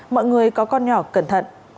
mọi người có con nhỏ cẩn thận